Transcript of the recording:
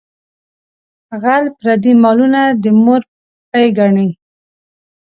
غل پردي مالونه د مور پۍ ګڼي.